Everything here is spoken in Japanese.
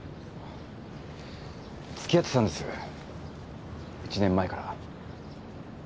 付き合ってたんです１年前から。